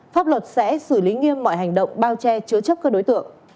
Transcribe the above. pháp luật sẽ xử lý nghiêm mọi hành động bao che chứa chấp các đối tượng